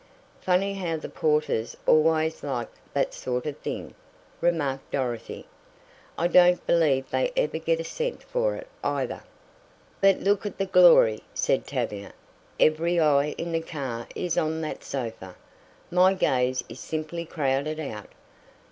"Funny how the porters always like that sort of thing," remarked Dorothy. "I don't believe they ever get a cent for it, either." "But look at the glory," said Tavia. "Every eye in the car is on that sofa. My gaze is simply crowded out.